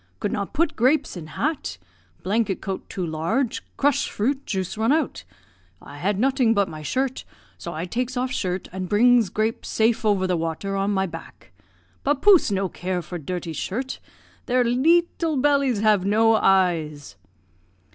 Could not put grapes in hat blanket coat too large, crush fruit, juice run out. I had noting but my shirt, so I takes off shirt, and brings grape safe over the water on my back. Papouse no care for dirty shirt; their lee tel bellies have no eyes."